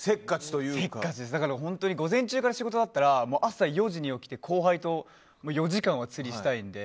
午前中から仕事だったら朝４時に起きて後輩は４時間は釣りしたいので。